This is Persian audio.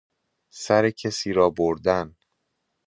سر کسی را بردن